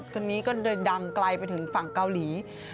คนนี้ก็เลยดังไกลไปถึงฝั่งเกาหลี